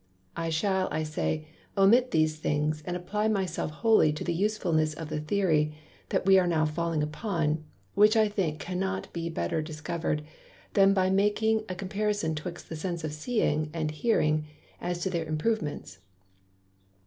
I shall, I say, omit these things, and apply my self wholly to the Usefulness of the Theory, that we are now falling upon, which I think cannot better be discovered, than by making a comparison 'twixt the Senses of Seeing and Hearing, as to their Improvements.